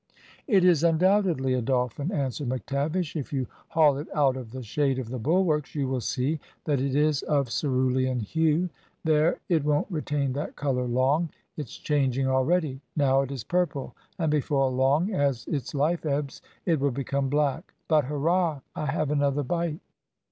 "It is undoubtedly a dolphin," answered McTavish. "If you haul it out of the shade of the bulwarks, you will see that it is of cerulean hue. There, it won't retain that colour long; it's changing already. Now it is purple, and before long, as its life ebbs, it will become black. But hurrah! I have another bite."